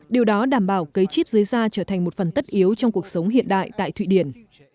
điều đó đảm bảo cấy chip dưới da trở thành một phần tất yếu trong cuộc sống hiện đại tại thụy điển